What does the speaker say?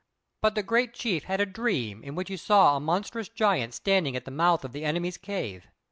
But the great chief had a dream in which he saw a monstrous giant standing at the mouth of the enemy's cave.